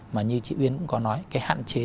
mà như chị uyên cũng có nói cái hạn chế